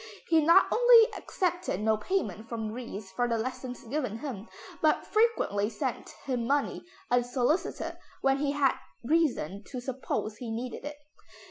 He not only accepted no payment from Ries for the lessons given him, but frequently sent him money unsolicited when he had reason to suppose he needed it.